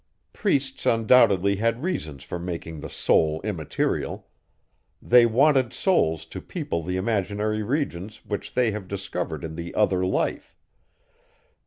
Priests undoubtedly had reasons for making the soul immaterial; they wanted souls to people the imaginary regions, which they have discovered in the other life.